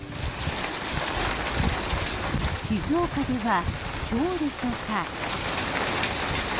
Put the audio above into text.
静岡では、ひょうでしょうか。